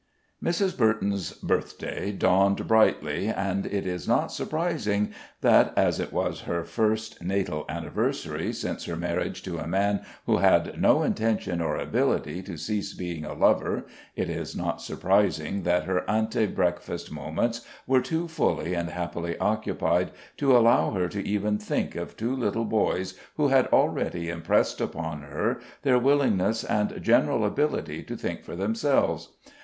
] Mrs. Burton's birthday dawned brightly, and it is not surprising that, as it was her first natal anniversary since her marriage to a man who had no intention or ability to cease being a lover it is not surprising that her ante breakfast moments were too fully and happily occupied to allow her to even think of two little boys who had already impressed upon her their willingness and general ability to think for themselves.